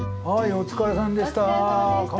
お疲れさまでした。